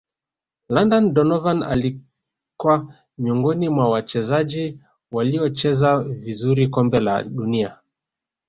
london donovan alikwa miongoni mwa wachezaji waliocheza vizuri kombe la dunia